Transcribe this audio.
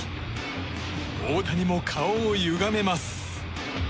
大谷も顔をゆがめます。